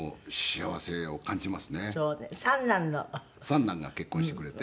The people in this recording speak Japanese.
三男が結婚してくれて。